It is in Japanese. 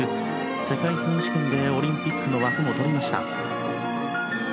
世界選手権でオリンピックの枠も取りました。